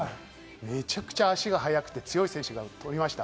めちゃくちゃ足が速くて強い選手が取りました。